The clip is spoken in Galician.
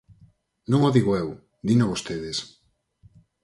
Non o digo eu, dino vostedes.